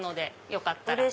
よかったら。